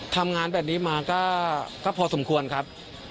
ทำงานแบบนี้มาก็พอสมควรครับ